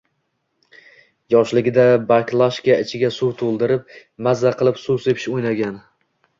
Yoshligida baklashka ichiga suv to'ldirib, mazza qilib suv sepish o'ynagan